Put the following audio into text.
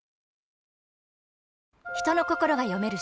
人の心が読める